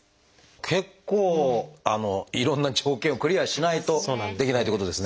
結構いろんな条件をクリアしないとできないっていうことですね。